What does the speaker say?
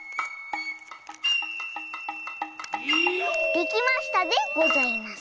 できましたでございます。